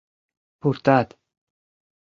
Пуртат!